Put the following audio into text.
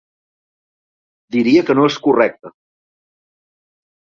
Diria que no és correcte.